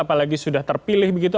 apalagi sudah terpilih begitu